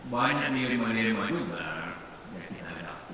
banyak nih remah remah juga yang kita dapat